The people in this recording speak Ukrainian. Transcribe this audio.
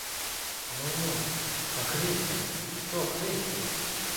— Ну-ну, а Христя, що Христя?